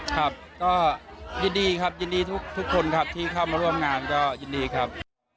ครับก็ยินดีครับยินดีทุกคนครับที่เข้ามาร่วมงานก็ยินดีครับ